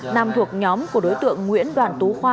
nam thuộc nhóm của đối tượng nguyễn đoàn tú khoa